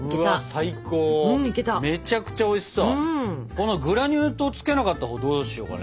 このグラニュー糖つけなかったほうどうしようかね？